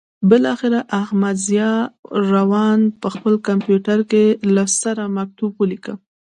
بالاخره احمدضیاء روان په خپل کمپیوټر کې له سره مکتوب ولیکه.